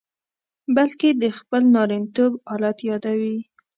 بلکې د خپل نارینتوب آلت یادوي.